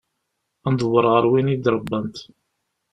Ad ndewweṛ ɣer win i d-ṛebbant.